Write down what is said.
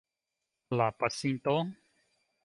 La pasinto?